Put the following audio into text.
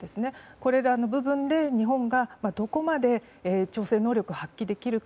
これらの部分で日本がどこまで調整能力を発揮できるか。